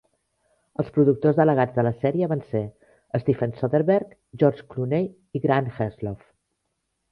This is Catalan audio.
Els productors delegats de la sèrie va ser Steven Soderbergh, George Clooney i Grant Heslov.